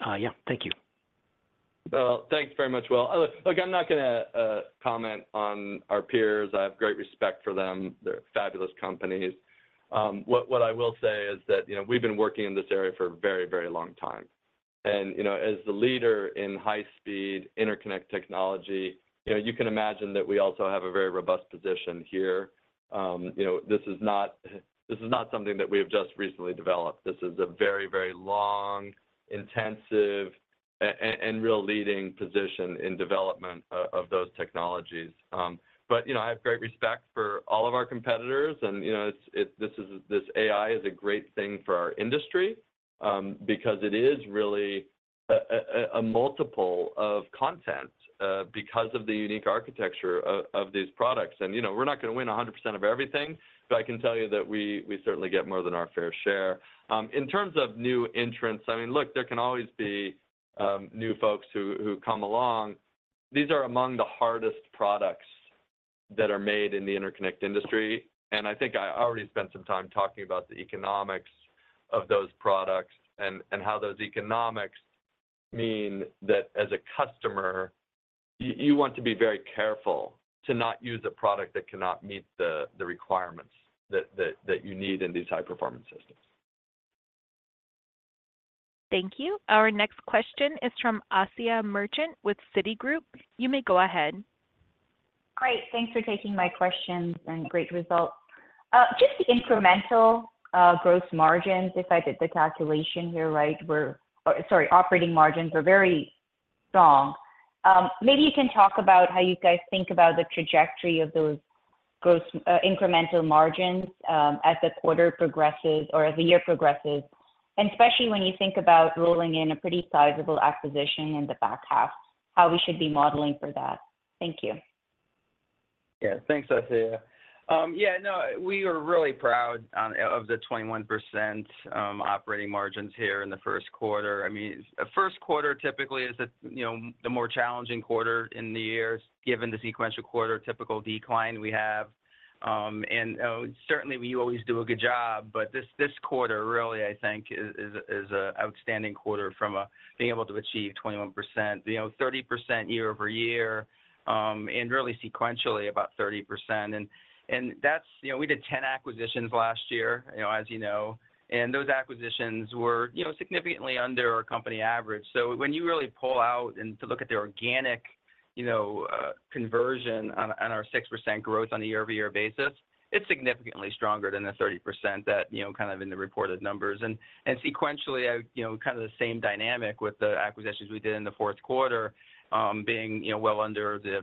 Yeah. Thank you. Well, thanks very much, Will. Look, I'm not going to comment on our peers. I have great respect for them. They're fabulous companies. What I will say is that we've been working in this area for a very, very long time. As the leader in high-speed interconnect technology, you can imagine that we also have a very robust position here. This is not something that we have just recently developed. This is a very, very long, intensive, and real leading position in development of those technologies. But I have great respect for all of our competitors. And this AI is a great thing for our industry because it is really a multiple of content because of the unique architecture of these products. We're not going to win 100% of everything. But I can tell you that we certainly get more than our fair share. In terms of new entrants, I mean, look, there can always be new folks who come along. These are among the hardest products that are made in the interconnect industry. I think I already spent some time talking about the economics of those products and how those economics mean that as a customer, you want to be very careful to not use a product that cannot meet the requirements that you need in these high-performance systems. Thank you. Our next question is from Asiya Merchant with Citigroup. You may go ahead. Great. Thanks for taking my questions and great results. Just the incremental gross margins, if I did the calculation here right, were sorry, operating margins were very strong. Maybe you can talk about how you guys think about the trajectory of those incremental margins as the quarter progresses or as the year progresses, especially when you think about rolling in a pretty sizable acquisition in the back half, how we should be modeling for that. Thank you. Yeah. Thanks, Asiya. Yeah. No, we are really proud of the 21% operating margins here in the first quarter. I mean, a first quarter typically is the more challenging quarter in the year given the sequential quarter typical decline we have. And certainly, you always do a good job. But this quarter, really, I think, is an outstanding quarter from being able to achieve 21%, 30% year-over-year, and really sequentially about 30%. And we did 10 acquisitions last year, as you know. And those acquisitions were significantly under our company average. So when you really pull out and to look at the organic conversion on our 6% growth on a year-over-year basis, it's significantly stronger than the 30% that kind of in the reported numbers. And sequentially, kind of the same dynamic with the acquisitions we did in the fourth quarter being well under the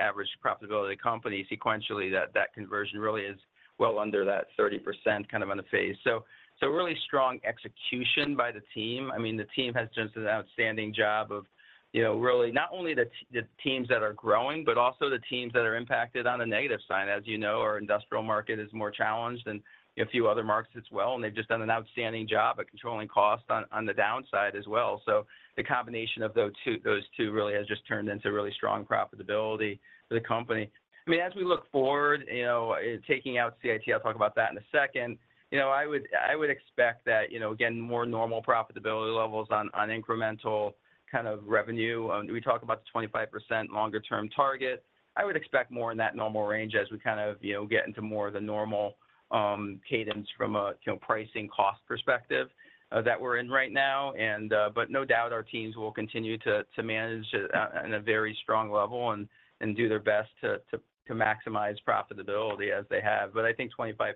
average profitability of the company. Sequentially, that conversion really is well under that 30% kind of on the face. So really strong execution by the team. I mean, the team has done an outstanding job of really not only the teams that are growing, but also the teams that are impacted on the negative side, as you know, our industrial market is more challenged than a few other markets as well. And they've just done an outstanding job at controlling cost on the downside as well. So the combination of those two really has just turned into really strong profitability for the company. I mean, as we look forward, taking out CIT, I'll talk about that in a second, I would expect that, again, more normal profitability levels on incremental kind of revenue. We talk about the 25% longer-term target. I would expect more in that normal range as we kind of get into more of the normal cadence from a pricing-cost perspective that we're in right now. But no doubt our teams will continue to manage it at a very strong level and do their best to maximize profitability as they have. But I think 25%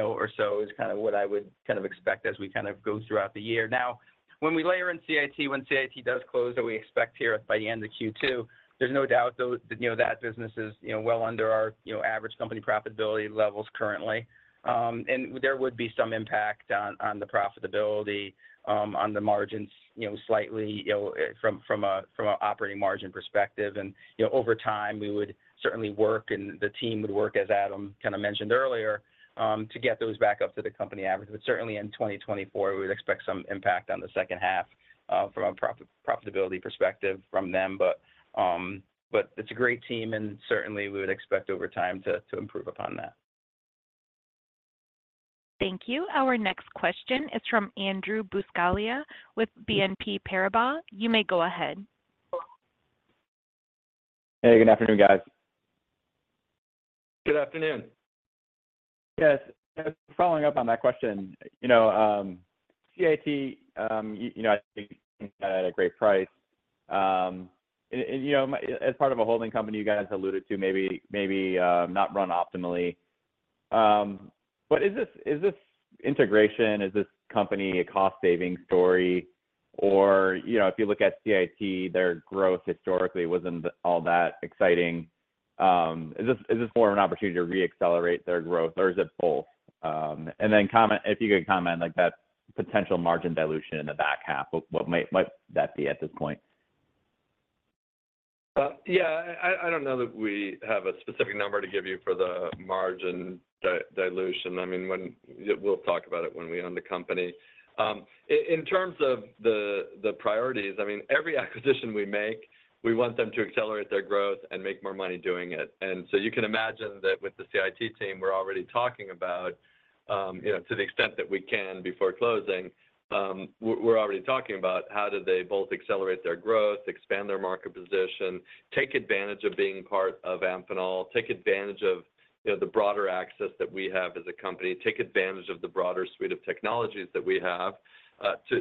or so is kind of what I would kind of expect as we kind of go throughout the year. Now, when we layer in CIT, when CIT does close that we expect here by the end of Q2, there's no doubt, though, that business is well under our average company profitability levels currently. And there would be some impact on the profitability, on the margins slightly from an operating margin perspective. And over time, we would certainly work, and the team would work, as Adam kind of mentioned earlier, to get those back up to the company average. But certainly, in 2024, we would expect some impact on the second half from a profitability perspective from them. But it's a great team. And certainly, we would expect over time to improve upon that. Thank you. Our next question is from Andrew Buscaglia with BNP Paribas. You may go ahead. Hey. Good afternoon, guys. Good afternoon. Yes. Following up on that question, CIT, I think, had a great price. And as part of a holding company, you guys alluded to maybe not run optimally. But is this integration, is this company a cost-saving story? Or if you look at CIT, their growth historically wasn't all that exciting. Is this more of an opportunity to reaccelerate their growth, or is it both? And then comment if you could comment, that potential margin dilution in the back half, what might that be at this point? Yeah. I don't know that we have a specific number to give you for the margin dilution. I mean, we'll talk about it when we own the company. In terms of the priorities, I mean, every acquisition we make, we want them to accelerate their growth and make more money doing it. And so you can imagine that with the CIT team, we're already talking about to the extent that we can before closing, we're already talking about how do they both accelerate their growth, expand their market position, take advantage of being part of Amphenol, take advantage of the broader access that we have as a company, take advantage of the broader suite of technologies that we have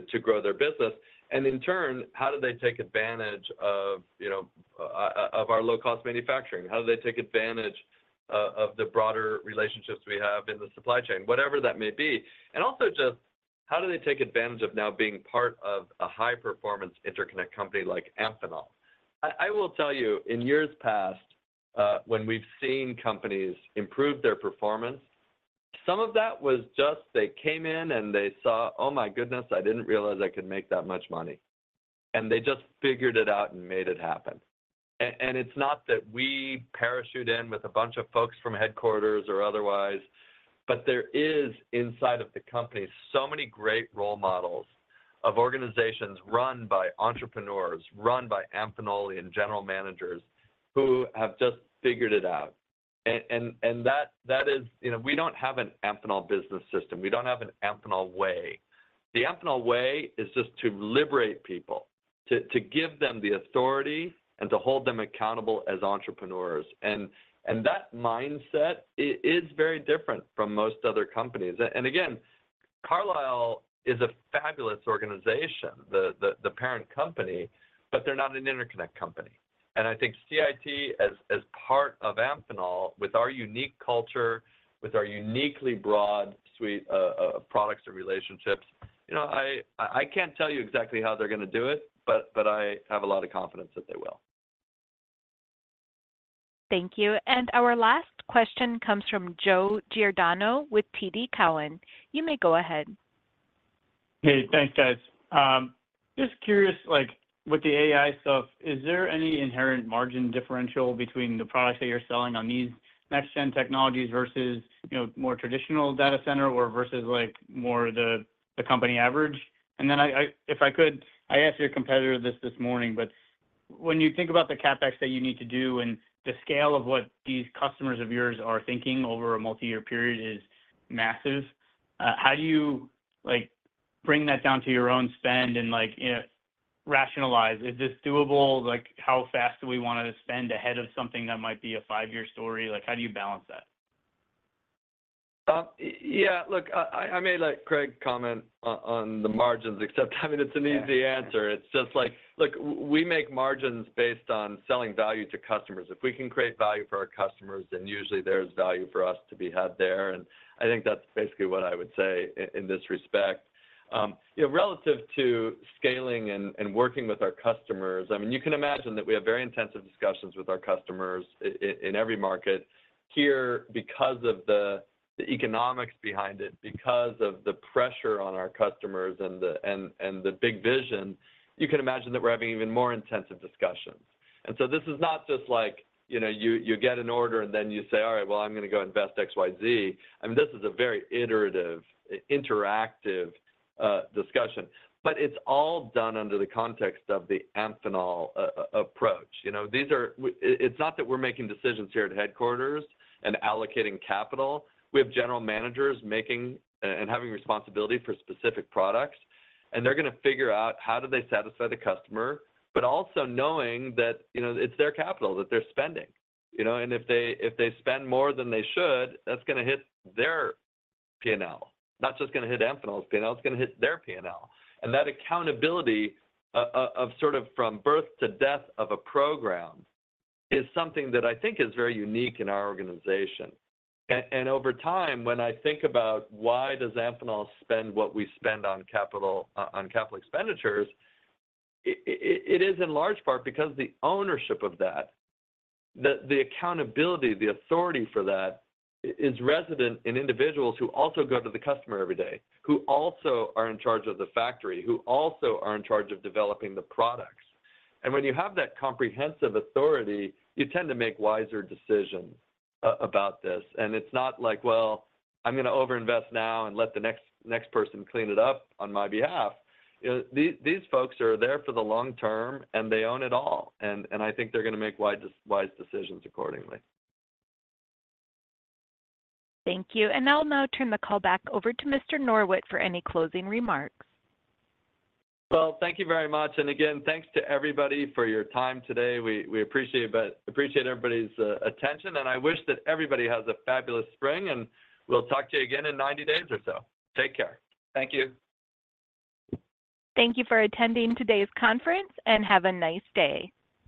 to grow their business. And in turn, how do they take advantage of our low-cost manufacturing? How do they take advantage of the broader relationships we have in the supply chain, whatever that may be? And also just how do they take advantage of now being part of a high-performance interconnect company like Amphenol? I will tell you, in years past, when we've seen companies improve their performance, some of that was just they came in and they saw, "Oh my goodness, I didn't realize I could make that much money." And they just figured it out and made it happen. And it's not that we parachute in with a bunch of folks from headquarters or otherwise. But there is inside of the company so many great role models of organizations run by entrepreneurs, run by Amphenolian general managers who have just figured it out. And that is we don't have an Amphenol business system. We don't have an Amphenol way. The Amphenol way is just to liberate people, to give them the authority, and to hold them accountable as entrepreneurs. And that mindset is very different from most other companies. And again, Carlisle is a fabulous organization, the parent company, but they're not an interconnect company. And I think CIT, as part of Amphenol, with our unique culture, with our uniquely broad suite of products and relationships, I can't tell you exactly how they're going to do it, but I have a lot of confidence that they will. Thank you. And our last question comes from Joe Giordano with TD Cowen. You may go ahead. Hey. Thanks, guys. Just curious, with the AI stuff, is there any inherent margin differential between the products that you're selling on these next-gen technologies versus more traditional data center or versus more the company average? And then if I could, I asked your competitor this this morning, but when you think about the CapEx that you need to do and the scale of what these customers of yours are thinking over a multi-year period is massive, how do you bring that down to your own spend and rationalize? Is this doable? How fast do we want to spend ahead of something that might be a five-year story? How do you balance that? Yeah. Look, I may let Craig comment on the margins, except I mean, it's an easy answer. It's just like, look, we make margins based on selling value to customers. If we can create value for our customers, then usually, there's value for us to be had there. And I think that's basically what I would say in this respect. Relative to scaling and working with our customers, I mean, you can imagine that we have very intensive discussions with our customers in every market. Here, because of the economics behind it, because of the pressure on our customers and the big vision, you can imagine that we're having even more intensive discussions. And so this is not just like you get an order, and then you say, "All right. Well, I'm going to go invest X, Y, Z." I mean, this is a very iterative, interactive discussion. But it's all done under the context of the Amphenol approach. It's not that we're making decisions here at headquarters and allocating capital. We have general managers making and having responsibility for specific products. And they're going to figure out how do they satisfy the customer, but also knowing that it's their capital, that they're spending. And if they spend more than they should, that's going to hit their P&L, not just going to hit Amphenol's P&L. It's going to hit their P&L. And that accountability of sort of from birth to death of a program is something that I think is very unique in our organization. And over time, when I think about why does Amphenol spend what we spend on capital expenditures, it is in large part because the ownership of that, the accountability, the authority for that, is resident in individuals who also go to the customer every day, who also are in charge of the factory, who also are in charge of developing the products. And when you have that comprehensive authority, you tend to make wiser decisions about this. It's not like, "Well, I'm going to overinvest now and let the next person clean it up on my behalf." These folks are there for the long term, and they own it all. And I think they're going to make wise decisions accordingly. Thank you. And I'll now turn the call back over to Mr. Norwitt for any closing remarks. Well, thank you very much. And again, thanks to everybody for your time today. We appreciate everybody's attention. And I wish that everybody has a fabulous spring. And we'll talk to you again in 90 days or so. Take care. Thank you. Thank you for attending today's conference and have a nice day.